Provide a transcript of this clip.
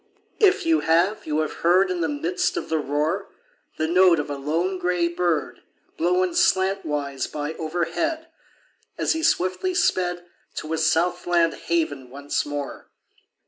If you have, you have heard In the midst of the roar, The note of a lone gray bird, Blown slantwise by overhead As he swiftly sped To his south land haven once more